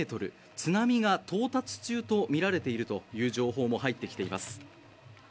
津波が到達中とみられているという情報も入ってきています。